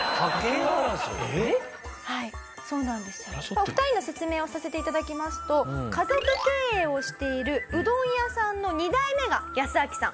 お二人の説明をさせて頂きますと家族経営をしているうどん屋さんの２代目がヤスアキさん